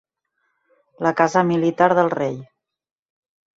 La casa militar del rei.